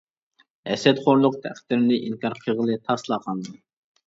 ھەسەتخورلۇق تەقدىرنى ئىنكار قىلغىلى تاسلا قالىدۇ.